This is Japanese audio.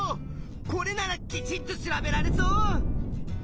これならきちんと調べられそう！